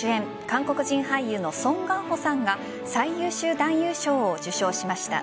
韓国人俳優のソン・ガンホさんが最優秀男優賞を受賞しました。